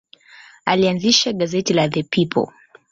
Alianzisha gazeti la The People.